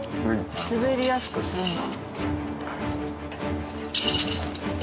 滑りやすくするんだ。